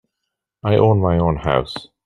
I own my own house.